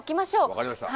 分かりました。